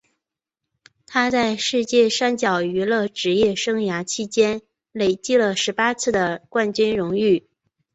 他在世界摔角娱乐职业生涯期间累计了十八次的冠军荣誉。